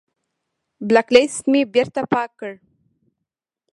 بلاک لست مې بېرته پاک کړ.